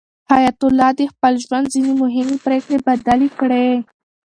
حیات الله د خپل ژوند ځینې مهمې پرېکړې بدلې کړې.